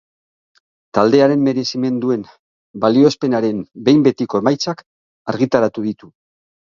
Taldearen merezimenduen balioespenaren behin betiko emaitzak argitaratu ditu.